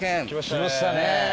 来ましたね。